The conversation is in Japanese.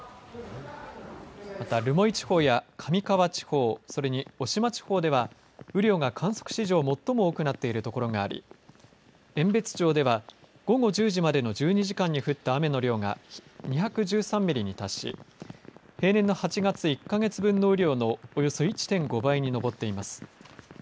また留萌地方や上川地方それに渡島地方では雨量が観測史上最も多くなっている所があり遠別町では午後１０時までの１２時間に降った雨の量が２１３ミリに達し平年の８月１か月分の雨量のおよそ１．５倍に上っています。